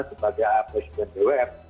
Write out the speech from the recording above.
sebagai presiden bwf